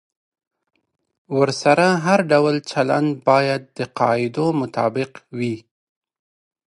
ورسره هر ډول چلند باید د قاعدو مطابق وي.